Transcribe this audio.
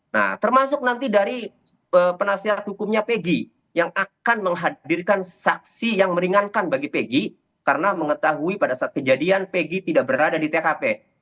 nah termasuk nanti dari penasihat hukumnya pegi yang akan menghadirkan saksi yang meringankan bagi pegi karena mengetahui pada saat kejadian peggy tidak berada di tkp